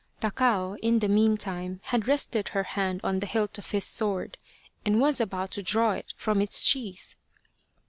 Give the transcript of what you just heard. Takao, in the meantime, had rested her hand on the hilt of his sword and was about to draw it from its sheath.